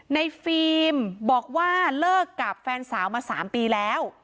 ฟิล์มบอกว่าเลิกกับแฟนสาวมา๓ปีแล้ว